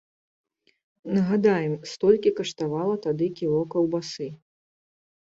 Нагадаем, столькі каштавала тады кіло каўбасы.